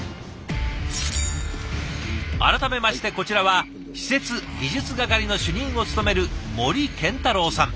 改めましてこちらは施設技術係の主任を務める森健太郎さん。